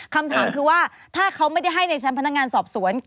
คำถามคือว่าถ้าเขาไม่ได้ให้ในชั้นพนักงานสอบสวน